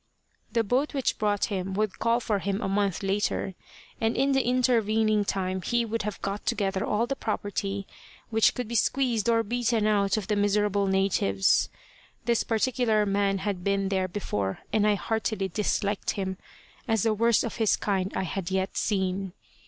The boat which brought him would call for him a month later, and in the intervening time he would have got together all the property which could be squeezed or beaten out of the miserable natives. This particular man had been there before, and I heartily disliked him, as the worst of his kind I had yet seen.